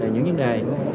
về những vấn đề